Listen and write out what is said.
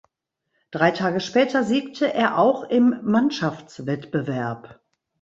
Drei Tage später siegte er auch im Mannschaftswettbewerb.